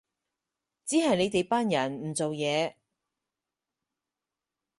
只係你哋班人唔做嘢